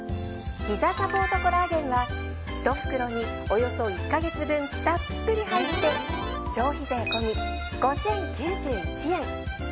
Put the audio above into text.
ひざサポートコラーゲンは１袋におよそ１ヵ月分たっぷり入って消費税込み５，０９１円。